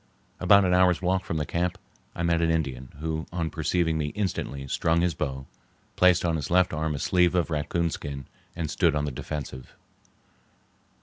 About an hour's walk from the camp I met an Indian, who on perceiving me instantly strung his bow, placed on his left arm a sleeve of raccoon skin and stood on the defensive.